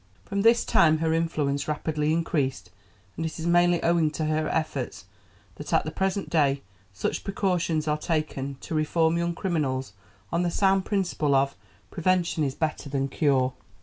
From this time her influence rapidly increased, and it is mainly owing to her efforts that at the present day such precautions are taken to reform young criminals on the sound principle of "prevention is better than cure."